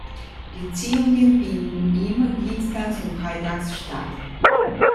Die Ziehungen finden immer dienstags und freitags statt.